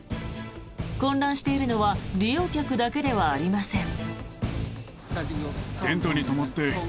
混乱しているのは利用客だけではありません。